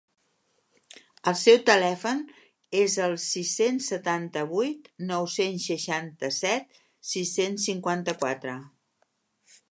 El seu telèfon és sis-cents setanta-vuit nou-cents seixanta-set sis-cents cinquanta-quatre.